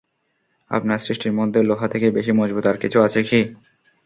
আপনার সৃষ্টির মধ্যে লোহা থেকে বেশি মজবুত আর কিছু আছে কি?